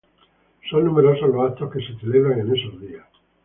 Son numerosos los actos que se celebran en esos días.